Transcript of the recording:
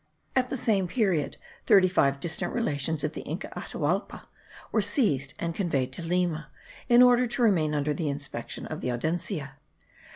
At the same period, thirty five distant relations of the Inca Atahualpa were seized, and conveyed to Lima, in order to remain under the inspection of the Audiencia.